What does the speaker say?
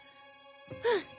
うん。